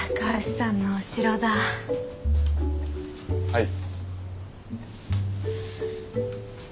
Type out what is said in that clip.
はい。